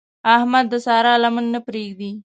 احمد د سارا لمن نه پرېږدي.